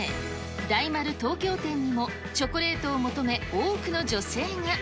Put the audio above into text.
大丸・東京店にもチョコレートを求め、多くの女性が。